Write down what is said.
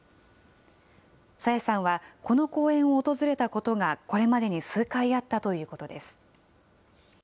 朝芽さんは、この公園を訪れたことがこれまでに数回あったということです。